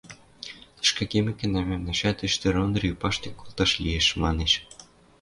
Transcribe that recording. – Тӹшкӹ кемӹкӹнӓ, мӓмнӓмӓт Ӹштӹр Ондри паштек колтат лиэш, – манеш.